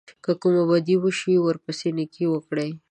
که کومه بدي وشي ورپسې نېکي وکړئ.